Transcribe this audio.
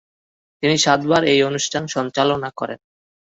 তিনি সাতবার এই অনুষ্ঠান সঞ্চালনা করেন।